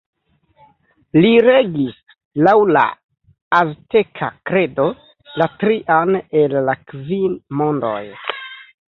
Li regis, laŭ la azteka kredo, la trian el la kvin mondoj.